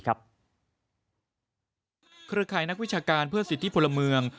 เครือข่ายนักวิชาการเพื่อสิทธิพลเมือง